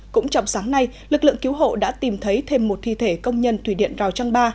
cũng trong sáng nay lực lượng cứu hộ đã tìm thấy thêm một thi thể công nhân thủy điện rào trăng ba